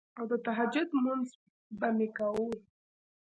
او د تهجد مونځ به مې کوو